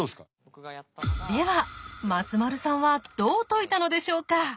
では松丸さんはどう解いたのでしょうか？